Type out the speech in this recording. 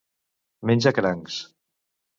Menja crancs.